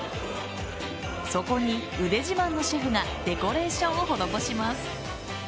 そこに、腕自慢のシェフがデコレーションを施します。